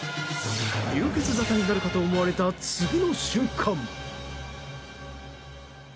流血沙汰になるかと思われた次の瞬間。